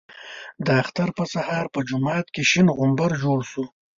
د اختر په سهار په جومات کې شین غومبر جوړ شو.